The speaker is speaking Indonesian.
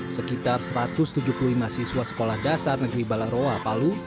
sekitar satu ratus tujuh puluh lima siswa sekolah dasar negeri balaroa palu